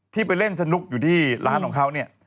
ไปเล่นสนุกอยู่ที่ร้านของเขาเนี่ย